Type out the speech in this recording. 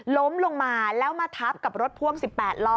ล้มลงมาแล้วมาทับกับรถพ่วง๑๘ล้อ